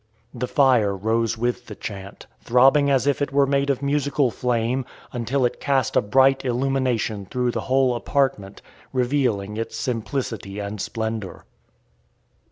The fire rose with the chant, throbbing as if it were made of musical flame, until it cast a bright illumination through the whole apartment, revealing its simplicity and splendour.